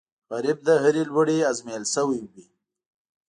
غریب له هرې لورې ازمېیل شوی وي